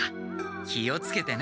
気をつけてな。